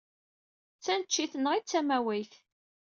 D taneččit-nneɣ ay d tamawayt.